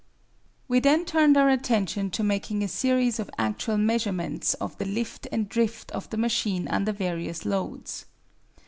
We then turned our attention to making a series of actual measurements of the lift and drift of the machine under various loads.